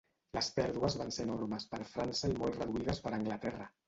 Les pèrdues van ser enormes per França i molt reduïdes per Anglaterra.